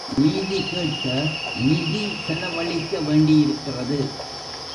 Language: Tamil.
நீதி கேட்க நிதி செலவழிக்க வேண்டி இருக்கிறது.